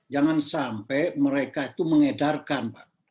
jangan sampai mereka itu mengedarkan pak